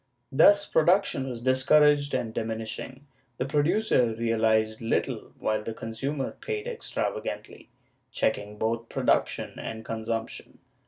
Thus production was discouraged and diminishing; the producer realized little, while the consumer paid extravagantly, checking both production and consumption.